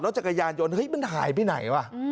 จักรยานยนต์เฮ้ยมันหายไปไหนวะ